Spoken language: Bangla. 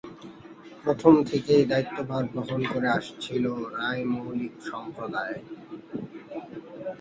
প্রথম থেকেই দায়িত্বভার বহন করে আসছিল রায় মৌলিক সম্প্রদায়।